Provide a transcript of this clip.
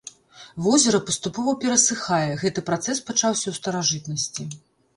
Возера паступова перасыхае, гэты працэс пачаўся ў старажытнасці.